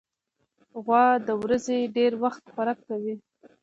غوا د ورځې ډېری وخت خوراک کوي.